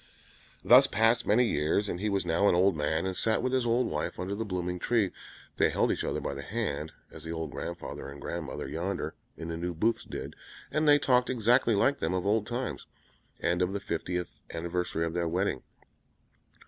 Thus passed many years, and he was now an old man, and sat with his old wife under the blooming tree. They held each other by the hand, as the old grand father and grand mother yonder in the New Booths did, and they talked exactly like them of old times, and of the fiftieth anniversary of their wedding.